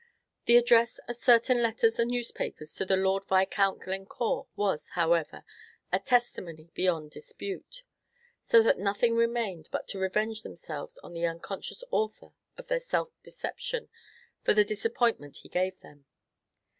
The address of certain letters and newspapers to the Lord Viscount Glencore was, however, a testimony beyond dispute; so that nothing remained but to revenge themselves on the unconscious author of their self deception for the disappointment he gave them.